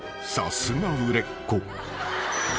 ［さすが売れっ子］